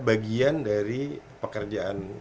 bagian dari pekerjaan